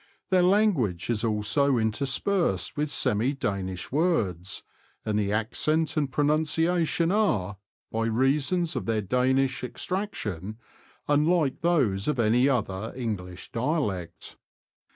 Their language is also interspersed with semi Danish words, and the accent and pronunciation are, by reason of their Danish extraction, unlike those of any other English dialect.